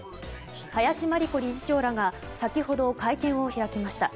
林真理子理事長らが先ほど会見を開きました。